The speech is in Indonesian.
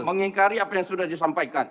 mengingkari apa yang sudah disampaikan